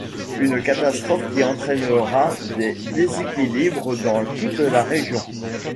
Une catastrophe qui entraînera des déséquilibres dans toute la région.